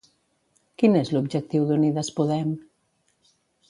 Quin és l'objectiu d'Unides Podem?